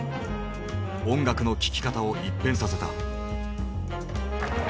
音楽の聴き方を一変させた。